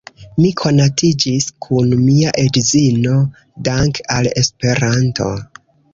Mi konatiĝis kun mia edzino dankʼ al Esperanto.